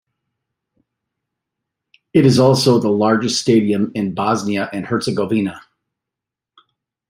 It is also the largest stadium in Bosnia and Herzegovina.